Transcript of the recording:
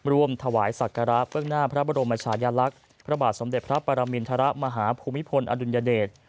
ร่วมถวายศักระเบื้องหน้าพระบรมชายลักษณ์พระบาทสมเด็จพระปรมินทรมาฮภูมิพลอดุลยเดช